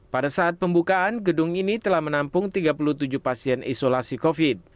pada saat pembukaan gedung ini telah menampung tiga puluh tujuh pasien isolasi covid sembilan belas